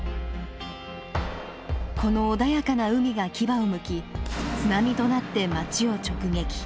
この穏やかな海が牙をむき津波となって町を直撃。